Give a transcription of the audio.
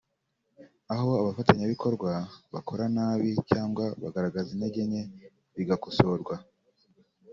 aho abafatanyabikorwa bakora nabi cyangwa bagaragaza intege nke bigakosorwa